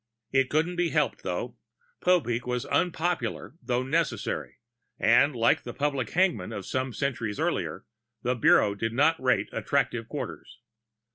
It couldn't be helped, though; Popeek was unpopular, though necessary; and, like the public hangman of some centuries earlier, the Bureau did not rate attractive quarters.